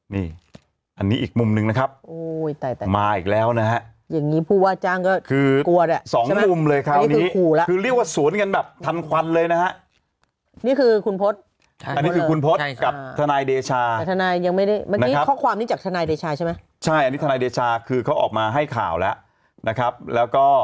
นี่อันนี้อีกมุมนึงนะครับมาอีกแล้วนะฮะ